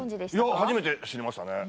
いや初めて知りましたね。